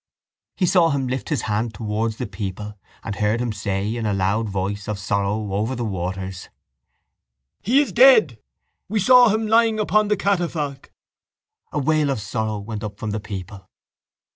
He saw him lift his hand towards the people and heard him say in a loud voice of sorrow over the waters: —He is dead. We saw him lying upon the catafalque. A wail of sorrow went up from the people.